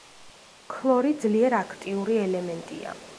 ქლორი ძლიერ აქტიური ელემენტია.